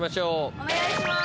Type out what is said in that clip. お願いします。